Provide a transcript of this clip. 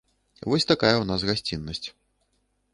Вось такая ў нас гасціннасць.